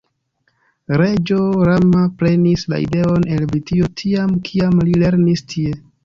Reĝo Rama prenis la ideon el Britio tiam, kiam li lernis tie.